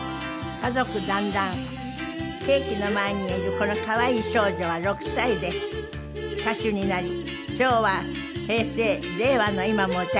家族団らんケーキの前にいるこの可愛い少女は６歳で歌手になり昭和平成令和の今も歌い続けていらっしゃいます。